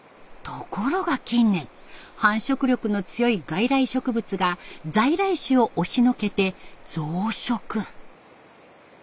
ところが近年繁殖力の強い外来植物が在来種を押しのけて増殖。